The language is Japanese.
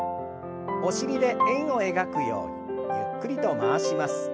お尻で円を描くようにゆっくりと回します。